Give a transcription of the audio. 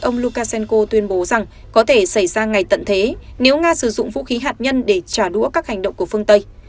nó có thể xảy ra ngày tận thế nếu nga sử dụng vũ khí hạt nhân để trả đũa các hành động của phương tây